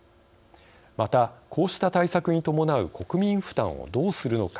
また、こうした対策に伴う国民負担をどうするのか。